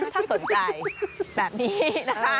ถ้าสนใจแบบนี้นะคะ